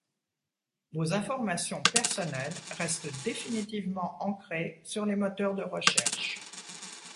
Vos informations personnelles restent définitivement ancrées sur les moteurs de recherches.